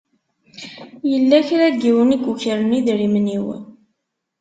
Yella kra n yiwen i yukren idrimen-iw.